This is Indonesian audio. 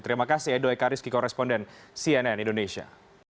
terima kasih edo ekaris kikoresponden cnn indonesia